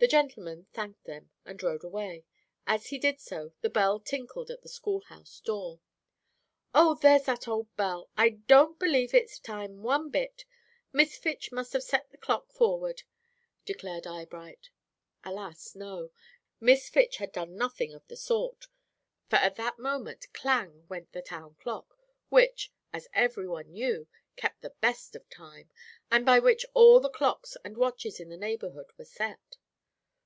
The gentleman thanked them and rode away. As he did so, the bell tinkled at the schoolhouse door. "Oh, there's that old bell. I don't believe it's time one bit. Miss Fitch must have set the clock forward," declared Eyebright. Alas, no; Miss Fitch had done nothing of the sort, for at that moment clang went the town clock, which, as every one knew, kept the best of time, and by which all the clocks and watches in the neighborhood were set.